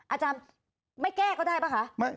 อาจารย์ไม่แก้ก็ได้ป่ะคะ